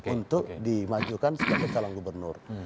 untuk dimajukan sebagai calon gubernur